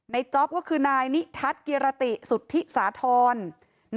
จ๊อปก็คือนายนิทัศน์กิรติสุธิสาธร